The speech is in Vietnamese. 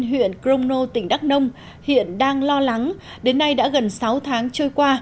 huyện crono tỉnh đắk nông hiện đang lo lắng đến nay đã gần sáu tháng trôi qua